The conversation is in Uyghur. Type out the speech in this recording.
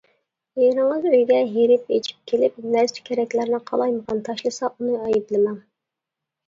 ئېرىڭىز ئۆيگە ھېرىپ-ئېچىپ كېلىپ، نەرسە-كېرەكلەرنى قالايمىقان تاشلىسا، ئۇنى ئەيىبلىمەڭ.